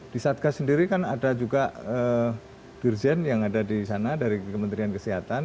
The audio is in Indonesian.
di satgas sendiri kan ada juga dirjen yang ada di sana dari kementerian kesehatan